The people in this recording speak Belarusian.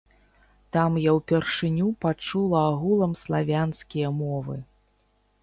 Там я ўпершыню пачула агулам славянскія мовы.